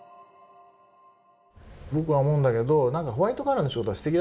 僕は思うんだけど何かホワイトカラーの仕事はすてきだって感じ